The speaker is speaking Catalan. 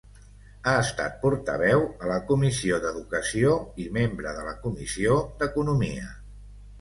Ha estat portaveu a la Comissió d'Educació i membre de la Comissió d'Economia.